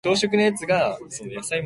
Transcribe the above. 息子は白いシャツを着ていたはずだ